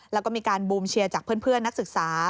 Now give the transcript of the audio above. แล้วก็มีการบูมเชียร์จากเพื่อนนักศึกษา